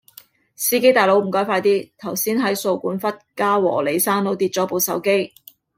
司機大佬唔該快啲，頭先喺掃管笏嘉和里山路跌左部手機